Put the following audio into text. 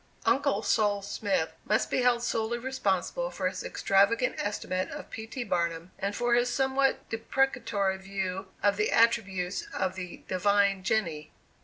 "Uncle" Sol. Smith must be held solely responsible for his extravagant estimate of P. T. Barnum, and for his somewhat deprecatory view of the attributes of the "divine Jenny."